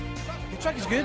pembalapnya bagus bagus